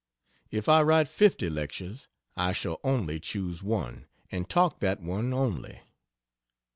If I write fifty lectures I shall only choose one and talk that one only.